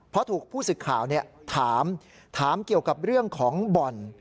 เพราะถูกผู้สึกข่าวถามเกี่ยวกับเรื่องของบ่อน